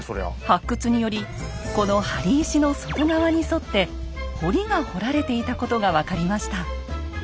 発掘によりこの貼り石の外側に沿って堀が掘られていたことが分かりました。